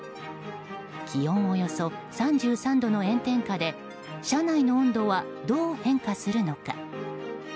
気温およそ３３度の炎天下で車内の温度はどう変化するのか。